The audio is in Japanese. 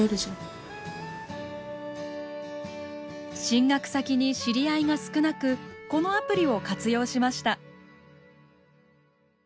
進学先に知り合いが少なくこのアプリを活用しました。